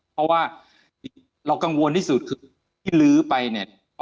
เพราะว่าเรากังวลที่สุดคือที่ลื้อไปเนี่ย